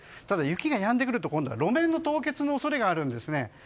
ただ、雪がやんでくると今度は路面の凍結の恐れがあるんですね。